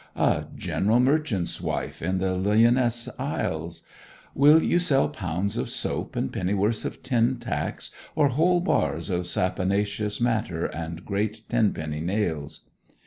A "general merchant's" wife in the Lyonesse Isles. Will you sell pounds of soap and pennyworths of tin tacks, or whole bars of saponaceous matter, and great tenpenny nails?'